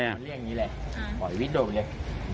อ๋อไอวิทย์โดดไปเลย